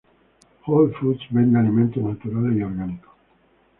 Whole Foods vende alimentos naturales y orgánicos.